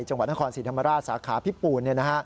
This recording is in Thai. จังหวัดนครศรีธรรมราชสาขาพิปูน